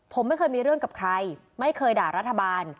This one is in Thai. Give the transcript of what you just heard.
ผมไม่เคยมีเรื่องกับใครไม่เคยด่ารัฐบาล